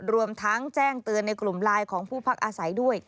รวมทั้งแจ้งเตือนในกลุ่มไลน์ของผู้พักอาศัยด้วย